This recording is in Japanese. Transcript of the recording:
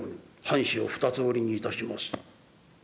半紙を２つ折りにいたします。